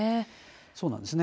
そうなんですね。